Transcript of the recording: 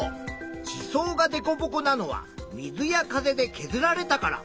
地層がデコボコなのは水や風でけずられたから。